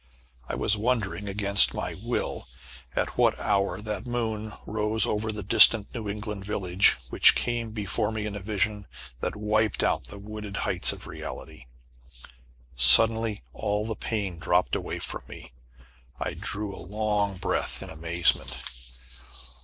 I was wondering, against my will, at what hour that moon rose over the distant New England village, which came before me in a vision that wiped out the wooded heights of reality. Suddenly all the pain dropped away from me. I drew a long breath in amazement.